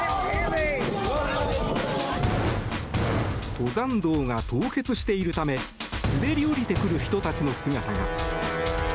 登山道が凍結しているため滑り降りてくる人の姿が。